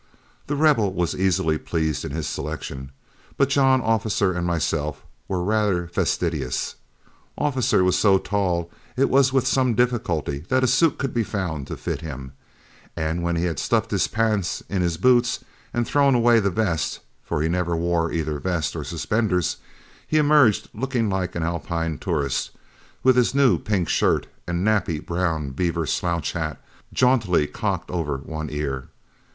The Rebel was very easily pleased in his selection, but John Officer and myself were rather fastidious. Officer was so tall it was with some little difficulty that a suit could be found to fit him, and when he had stuffed his pants in his boots and thrown away the vest, for he never wore either vest or suspenders, he emerged looking like an Alpine tourist, with his new pink shirt and nappy brown beaver slouch hat jauntily cocked over one ear.